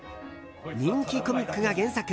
人気コミックが原作。